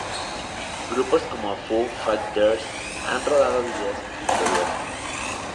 Grupos como Foo Fighters han rodado vídeos en su interior.